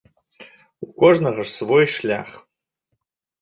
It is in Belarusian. У кожнага ж свой шлях.